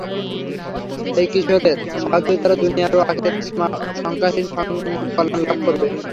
এই কিশোরের সাহায্যেই তারা দুনিয়ায় ও আখিরাতে সীমা-সংখ্যাহীন কল্যাণ লাভ করবে।